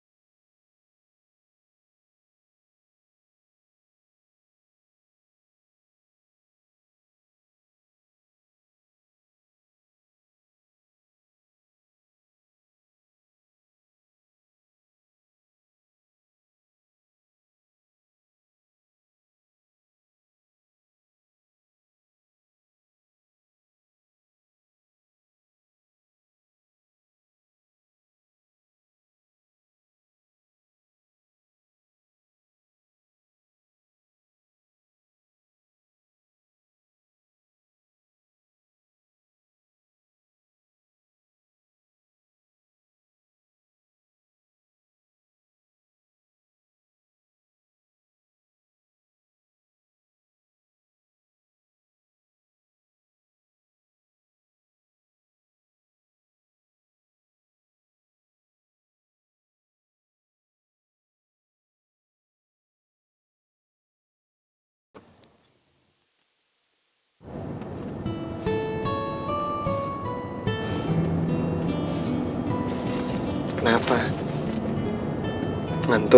yang memiliki malu